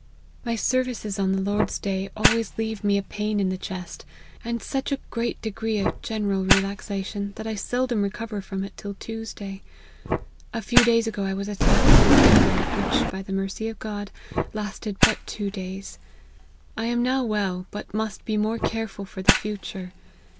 My services on the Lord's day always 116 LIFE OF HENRY MARTYN. leave me a pain in the chest, and such a great degree of general relaxation, that I seldom recover from it till Tuesday. A few days ago I was attacked with a fever, which, by the mercy of God, lasted but two dayo. I am now well, but must be more careful for the future.